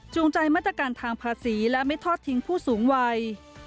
ใจมาตรการทางภาษีและไม่ทอดทิ้งผู้สูงวัย